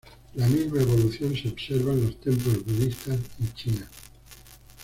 La misma evolución se observa en los templos budistas en China.